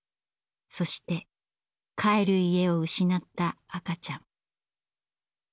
そして「帰る家」を失った赤ちゃん。